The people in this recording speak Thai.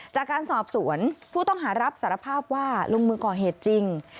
จากการสอบสวนผู้ต้องหารับสารภาพว่าลงมือก่อเหตุจริง